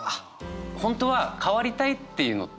本当は変わりたいっていうのって